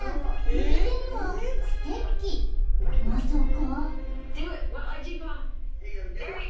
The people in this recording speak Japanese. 右手にはステッキまさか？